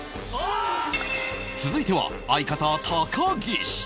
続いては相方高岸